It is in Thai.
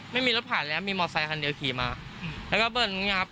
ไม่มีรถผ่านเลยนะมีมอสไฟคันเดียวขี่มาแล้วก็เบิ้ลอย่างเงี้ยครับ